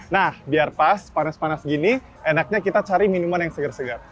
nah biar pas panas panas gini enaknya kita cari minuman yang segar segar